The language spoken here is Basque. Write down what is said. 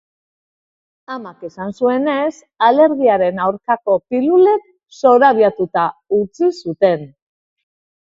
Amak esan zuenez, alergiaren aurkako pilulek zorabiatuta utzi zuten.